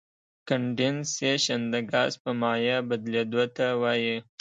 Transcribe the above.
کنډېنسیشن د ګاز په مایع بدلیدو ته وایي.